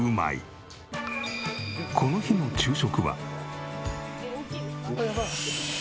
この日の昼食は。